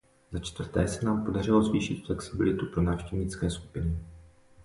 Začtvrté se nám podařilo zvýšit flexibilitu pro návštěvnické skupiny.